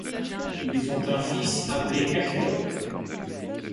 Ils ont un fils appelé Hector.